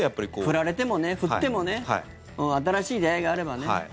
振られても振ってもね新しい出会いがあればね。